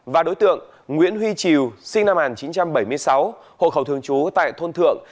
và đối tượng nguyễn huy triều sinh năm một nghìn chín trăm bảy mươi sáu hộ khẩu thường trú tại thôn thượng